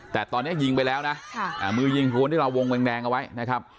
แต่ตอนนี้ยิงไปแล้วนะมือยิงคนที่เราวงแดงเอาไว้นะครับ